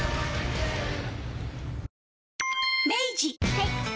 はい。